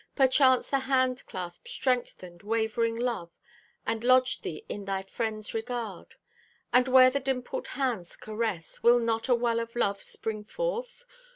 Perchance the handclasp strengthened wavering love And lodged thee in thy friend's regard. And where the dimpled hands caress, Will not a well of love spring forth?